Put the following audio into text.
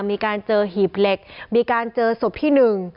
มีการเจอหีบเหล็กมีการเจอศพที่หนึ่ง